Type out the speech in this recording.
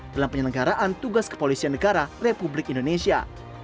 dalam penyelenggaraan tugas kepolisian negara republik indonesia